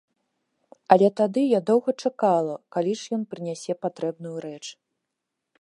Але тады я доўга чакала, калі ж ён прынясе патрэбную рэч.